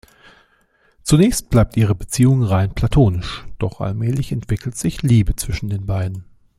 Zunächst bleibt ihre Beziehung rein platonisch, doch allmählich entwickelt sich Liebe zwischen den Beiden.